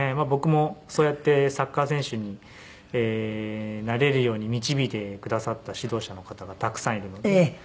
僕もそうやってサッカー選手になれるように導いてくださった指導者の方がたくさんいるので。